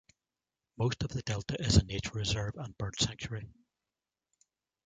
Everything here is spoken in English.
Most of the delta is a nature reserve and bird sanctuary.